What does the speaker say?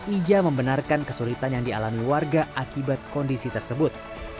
ija membenarkan kesulitan yang dialami warga akibat kondisi tersebut